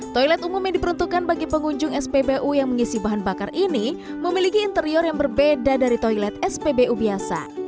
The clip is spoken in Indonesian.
toilet umum yang diperuntukkan bagi pengunjung spbu yang mengisi bahan bakar ini memiliki interior yang berbeda dari toilet spbu biasa